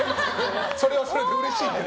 それはそれでうれしいけど。